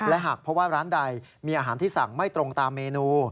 และหากเพราะว่าร้านใดมีอาหารที่สั่งไม่ตรงตามเมนู